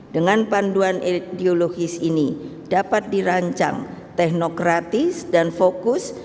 dengan panduan ideologis ini dapat dirancang teknokratis dan fokus